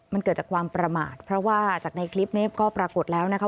มันเกิดจากความประมาทเพราะว่าจากในคลิปนี้ก็ปรากฏแล้วนะคะ